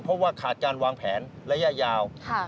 เพราะว่าขาดการวางแผนระยะยาว